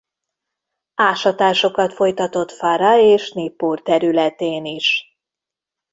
Ásatásokat folytatott Fara és Nippur területén is.